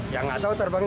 ya enggak tahu terbangin